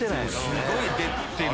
すごい出てる。